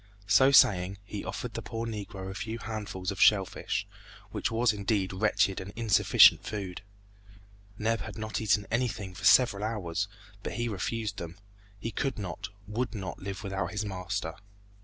So saying, he offered the poor Negro a few handfuls of shell fish, which was indeed wretched and insufficient food. Neb had not eaten anything for several hours, but he refused them. He could not, would not live without his master.